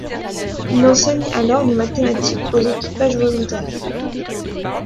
Il enseigne alors les mathématiques aux équipages volontaires.